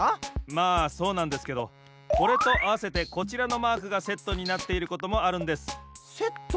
まあそうなんですけどこれとあわせてこちらのマークがセットになっていることもあるんです。セット？